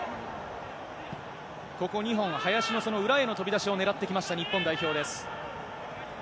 ここ２本はその林の裏への飛び出しを狙ってきました、日本代表です。